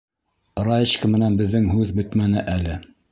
Раечка менән беҙҙең һүҙ бөтмәне әле.